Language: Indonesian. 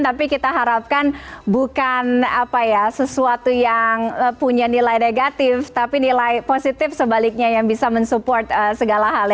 tapi kita harapkan bukan sesuatu yang punya nilai negatif tapi nilai positif sebaliknya yang bisa mensupport segala hal